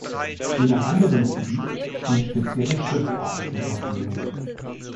Je nach Anwendungsgebiet stehen spezielle Schriftarten zur Verfügung.